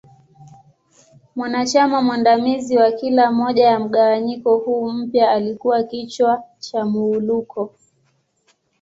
Mwanachama mwandamizi wa kila moja ya mgawanyiko huu mpya alikua kichwa cha Muwuluko.